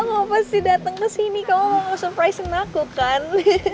aku tau kamu pasti datang kesini kamu mau nge surprisein aku kan